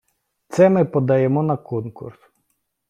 Це ми подаємо на конкурс.